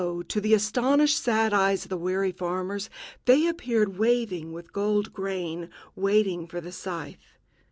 to the astonished sad eyes of the weary farmers, they appeared waving with golden grain, waiting for the scythe.